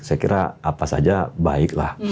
saya kira apa saja baiklah